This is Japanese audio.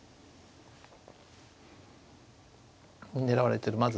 狙われてる